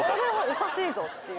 おかしいぞっていう。